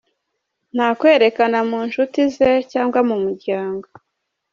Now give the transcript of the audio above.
Ntakwerekana mu nshuti ze cyangwa mu muryango.